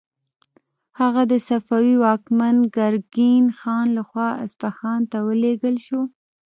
هغه د صفوي واکمن ګرګین خان لخوا اصفهان ته ولیږل شو.